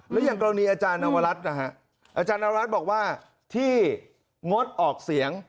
แล้วอย่างกรณีอาจารย์นวรัฐนะฮะอาจารย์นรัฐบอกว่าที่งดออกเสียง